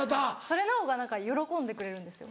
それの方が何か喜んでくれるんですよ。